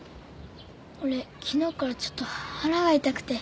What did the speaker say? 俺昨日からちょっと腹が痛くて。